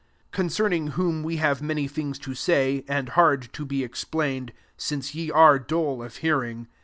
11 CoKOK&NiKa whom te have many things to say, and hard to be explained^ since je are dull of hearing.